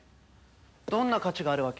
どんな価値があるわけ？